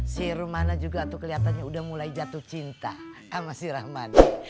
si rumana juga tuh kelihatannya udah mulai jatuh cinta sama si rahmadi